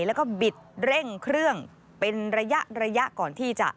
แล้วก็บิดเร่งเครื่องเป็นระยะระยะก่อนที่จะ